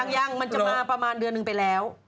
ยังมันจะมาประมาณเดือนหนึ่งไปแล้ว